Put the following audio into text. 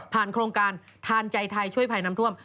โครงการทานใจไทยช่วยภัยน้ำท่วม